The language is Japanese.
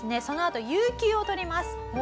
そのあと有給を取ります。